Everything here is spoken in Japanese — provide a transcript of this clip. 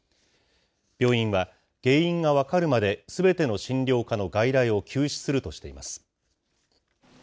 病院は、原因が分かるまですべての診療科の外来を休止するとしています。